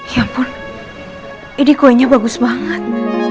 ya pun ini kuenya bagus banget